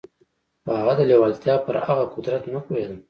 خو هغه د لېوالتیا پر هغه قدرت نه پوهېده.